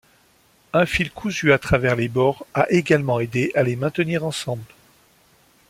Un fil cousu à travers les bords a également aidé à les maintenir ensemble.